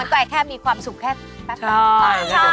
มันก็แค่มีความสุขแค่แป๊บ